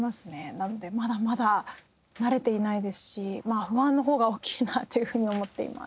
なのでまだまだ慣れていないですし不安の方が大きいなっていうふうに思っています。